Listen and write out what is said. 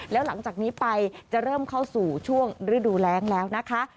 แล้วหลังจากนี้ไปจะเริ่มเข้าสู่ช่วงฤดูแรงแล้วนะคะ